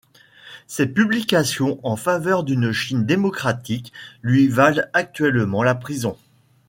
Ses publications en faveur d'une Chine démocratique lui valent actuellement la prison.